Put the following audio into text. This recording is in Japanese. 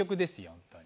本当に。